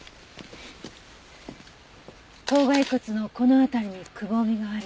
頭蓋骨のこの辺りにくぼみがある。